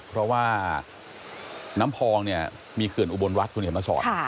เพราะว่าน้ำพองเนี่ยมีเขื่อนอุบลรัฐคุณเห็นมาสอน